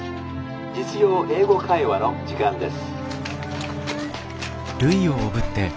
『実用英語会話』の時間です」。